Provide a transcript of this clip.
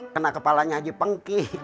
kena kepalanya haji pengki